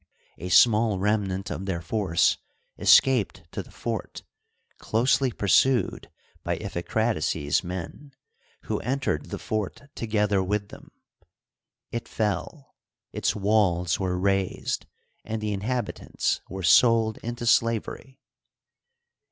A small remnant of their force escaped to the fort, closely pursued by Iphicrates's men, who entered the fort to gether with them. It fell, its walls were razed, and the inhabitants were sold into slavery.